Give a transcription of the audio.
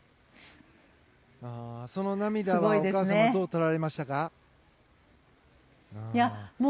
その涙、お母さんどうとられましたか。